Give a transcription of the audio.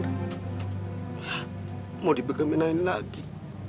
ya mau dibegamin lagi